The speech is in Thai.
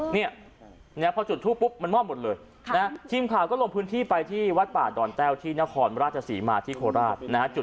เนี่ยพอจุดทูปปุ๊บมันมอบหมดเลยทีมข่าวก็ลงพื้นที่ไปที่วัดป่าดอนแต้วที่นครราชศรีมาที่โคราชนะฮะ